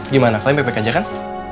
gimana kalian baik baik aja kan